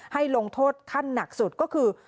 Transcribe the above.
ให้ลงโทษขั้นหนักสุดก็คือ